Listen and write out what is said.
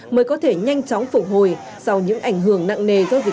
mới có thể nhanh chóng phục hồi sau những ảnh hưởng nặng nề do dịch covid một mươi chín mang lại